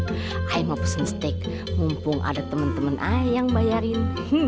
saya mau pesen steak mumpung ada teman teman saya yang bayarin